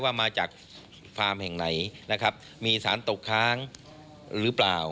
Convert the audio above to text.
ว่ามาจากฟาร์มแห่งไหนนะครับมีสารตกค้างหรือเปล่า